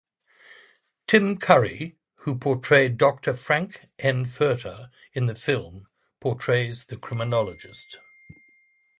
Tim Curry, who portrayed Doctor Frank N. Furter in the film, portrays The Criminologist.